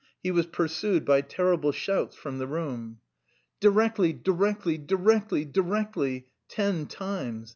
He was pursued by terrible shouts from the room. "Directly, directly, directly, directly." Ten times.